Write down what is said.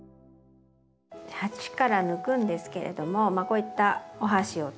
鉢から抜くんですけれどもこういったお箸を使ってですね